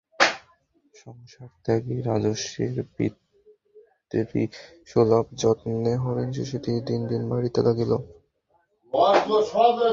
সংসারত্যাগী রাজর্ষির পিতৃসুলভ যত্নে হরিণশিশুটি দিন দিন বাড়িতে লাগিল।